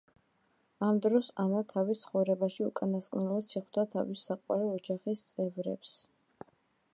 ამ დროს ანა თავის ცხოვრებაში უკანასკნელად შეხვდა თავის საყვარელ ოჯახის წევრებს.